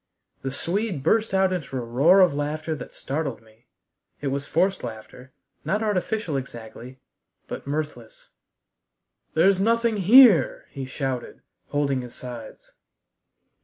The Swede burst out into a roar of laughter that startled me. It was forced laughter, not artificial exactly, but mirthless. "There's nothing here!" he shouted, holding his sides.